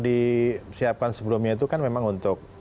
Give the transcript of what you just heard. disiapkan sebelumnya itu kan memang untuk